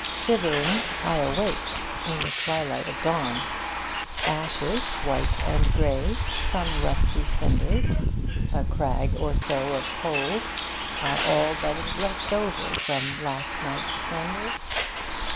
Shivering I awake, in the twilight of dawn. Ashes, white and grey, some rusty cinders, a crag or so of coal, are all that is left over from last night's splendour.